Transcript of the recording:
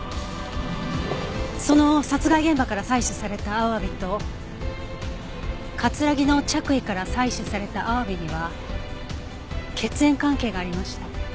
その殺害現場から採取されたアワビと木の着衣から採取されたアワビには血縁関係がありました。